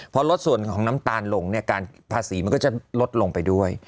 พอลดส่วนของน้ำตาลลงเนี่ยการภาษีมันก็จะลดลงไปด้วย